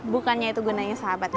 bukannya itu gunanya sahabat